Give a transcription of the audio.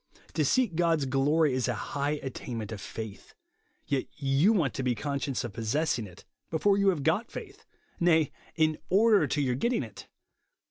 To seek God's glory is a high at tainment of faith; yet you want to be con scious of possessing it before you have got faith, — nay, in order to your getting it